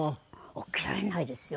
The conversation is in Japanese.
起きられないですよ。